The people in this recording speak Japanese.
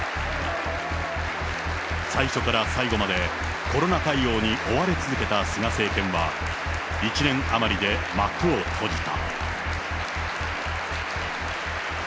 最初から最後までコロナ対応に追われ続けた菅政権は、１年余りで幕を閉じた。